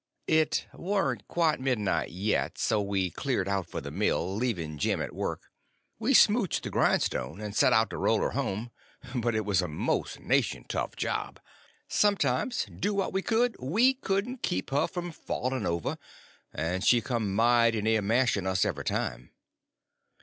It warn't quite midnight yet, so we cleared out for the mill, leaving Jim at work. We smouched the grindstone, and set out to roll her home, but it was a most nation tough job. Sometimes, do what we could, we couldn't keep her from falling over, and she come mighty near mashing us every time.